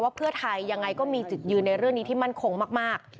เพื่อไทยยังไงก็มีจุดยืนในเรื่องนี้ที่มั่นคงมาก